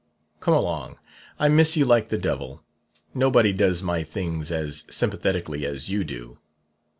Come along; I miss you like the devil; nobody does my things as sympathetically as you do.